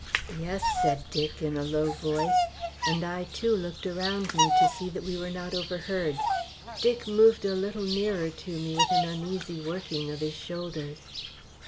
"Yes!" said Dick, in a low voice, and I too looked around me to see that we were not overheard. Dick moved a little nearer to me with an uneasy working of his shoulders.